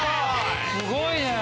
すごいね！